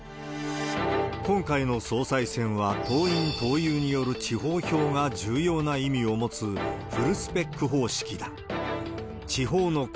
今回の総裁選は党員、党友による地方票が重要な意味を持つフルスペック方式だ。